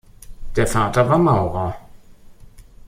Der Vater war Maurer.